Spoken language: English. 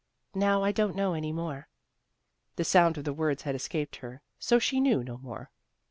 "Now I don't know any more." The sound of the words had escaped her, so she knew no more.